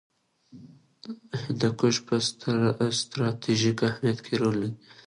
هندوکش په ستراتیژیک اهمیت کې رول لري.